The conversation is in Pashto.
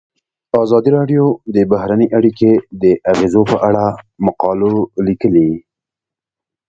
ازادي راډیو د بهرنۍ اړیکې د اغیزو په اړه مقالو لیکلي.